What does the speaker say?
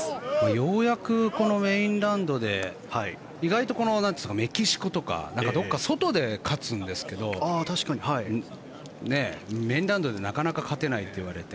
ようやくメインランドで意外とメキシコとかどこか外で勝つんですけどメインランドでなかなか勝てないといわれて。